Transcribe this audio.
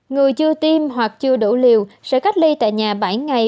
người chưa tiêm hoặc chưa đủ liều sẽ cách ly tại nhà bảy ngày